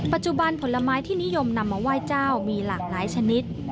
ผลไม้ที่นิยมนำมาไหว้เจ้ามีหลากหลายชนิด